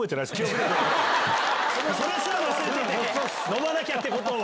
飲まなきゃ！ってことを。